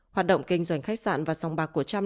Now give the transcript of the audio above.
hoạt động kinh doanh khách sạn và sòng bạc của trump